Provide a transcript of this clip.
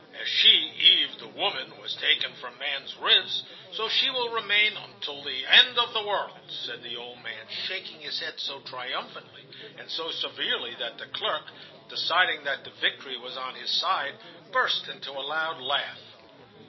As she, Eve, the woman, was taken from man's ribs, so she will remain unto the end of the world," said the old man, shaking his head so triumphantly and so severely that the clerk, deciding that the victory was on his side, burst into a loud laugh.